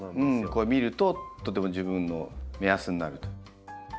これ見るととっても自分の目安になると。